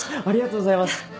ありがとうございます。